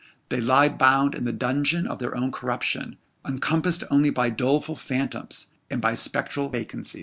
They lie bound in the dungeon of their own corruption, encompassed only by doleful phantoms, or by spectral vacancy.